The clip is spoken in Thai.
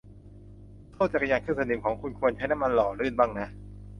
โซ่จักรยานขึ้นสนิมของคุณควรใช้น้ำมันหล่อลื่นบ้างนะ